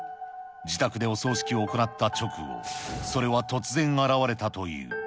自宅でお葬式を行った直後、それは突然現れたという。